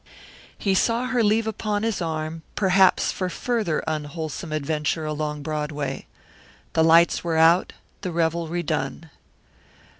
He saw her leave upon his arm, perhaps for further unwholesome adventure along Broadway. The lights were out, the revelry done.